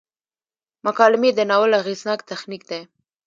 مکالمې د ناول اغیزناک تخنیک دی.